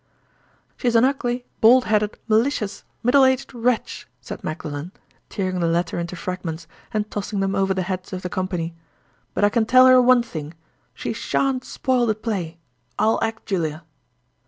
"She's an ugly, bald headed, malicious, middle aged wretch!" said Magdalen, tearing the letter into fragments, and tossing them over the heads of the company. "But I can tell her one thing—she shan't spoil the play. I'll act Julia."